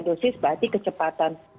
dosis berarti kecepatan